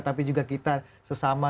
tapi juga kita sesama